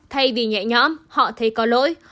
thay vì nhẹ nhõm họ thấy có lỗi